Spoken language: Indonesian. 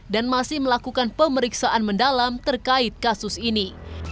masih melakukan pemeriksaan mendalam terkait kasus ini